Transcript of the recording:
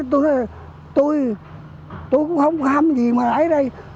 mà thành ra tôi cũng không có hâm gì mà lại ở đây